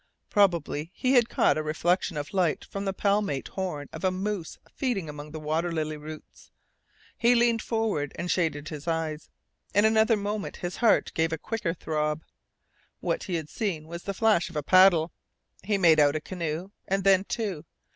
Probably he had caught a reflection of light from the palmate horn of a moose feeding among the water lily roots. He leaned forward, and shaded his eyes. In another moment his heart gave a quicker throb. What he had seen was the flash of a paddle. He made out a canoe, and then two.